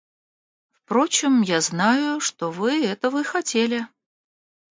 Впрочем, я знаю, что вы этого и хотели.